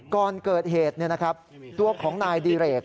ก่อนเกิดเหตุตัวของนายดีเรก